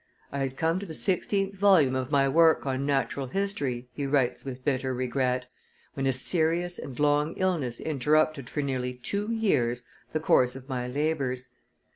"I had come to the sixteenth volume of my work on natural history," he writes with bitter regret, "when a serious and long illness interrupted for nearly two years the course of my labors.